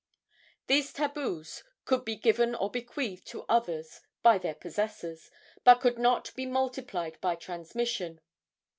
These tabus could be given or bequeathed to others by their possessors, but could not be multiplied by transmission.